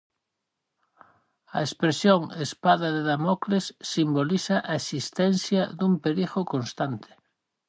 A expresión "espada de Damocles" simboliza a existencia dun perigo constante.